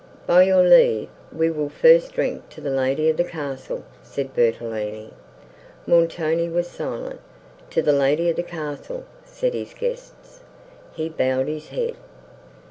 "By your leave we will first drink to the lady of the castle." said Bertolini.—Montoni was silent. "To the lady of the castle," said his guests. He bowed his head.